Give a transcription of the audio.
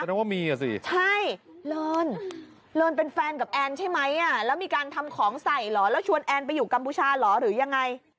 นึกว่ามีอ่ะสิใช่เลินเลินเป็นแฟนกับแอนใช่ไหมแล้วมีการทำของใส่เหรอแล้วชวนแอนไปอยู่กัมพูชาเหรอหรือยังไง